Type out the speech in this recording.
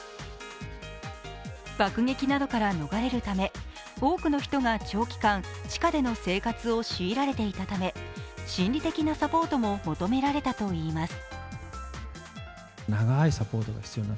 爆撃などから逃れるため、多くの人が長期間地下での生活を強いられていたため、心理的なサポートも求められたといいます。